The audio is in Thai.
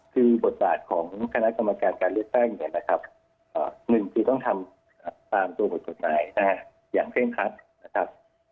คือบทหาตร์ของคณะกรรมการการเลือดแท่งนี้นะครับ